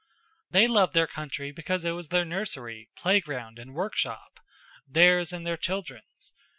They loved their country because it was their nursery, playground, and workshop theirs and their children's.